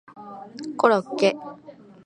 コロッケ